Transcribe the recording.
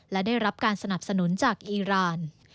และได้รับการสนับสนุนจากอีราน